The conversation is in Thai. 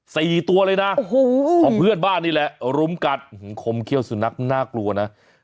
สี่ตัวเลยนะโอ้โหของเพื่อนบ้านนี่แหละรุมกัดคมเขี้ยวสุนัขน่ากลัวนะ